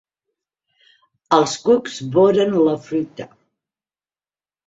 Els cucs boren la fruita.